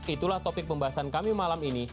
itulah topik pembahasan kami malam ini